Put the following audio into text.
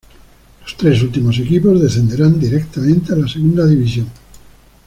Los tres últimos equipos descenderán directamente a la Segunda División.